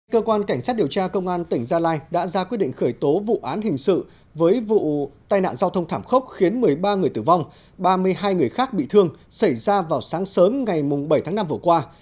cơ quan cảnh sát điều tra công an tỉnh gia lai đã ra quyết định khởi tố vụ án hình sự với vụ tai nạn giao thông thảm khốc khiến một mươi ba người tử vong ba mươi hai người khác bị thương xảy ra vào sáng sớm ngày bảy tháng năm vừa qua